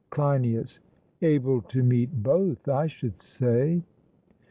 CLEINIAS: Able to meet both, I should say.